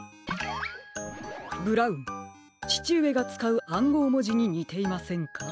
ブラウンちちうえがつかうあんごうもじににていませんか？